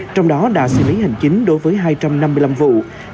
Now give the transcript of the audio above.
trong đó đã xử lý hành chính đối với hai trăm năm mươi năm vụ